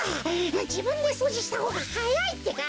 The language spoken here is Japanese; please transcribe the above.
じぶんでそうじしたほうがはやいってか！